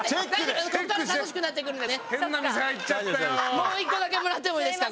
もう１個だけもらってもいいですか？